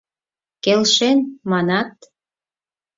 — Келшен, манат?